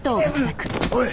おい。